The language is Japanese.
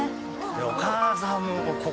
お母さん。